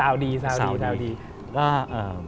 ลูกสาวดี